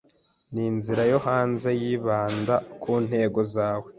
Ninzira yo hanze yibanda ku ntego zawe?